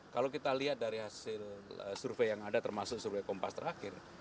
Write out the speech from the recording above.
kalau kita lihat dari hasil survei yang ada termasuk survei kompas terakhir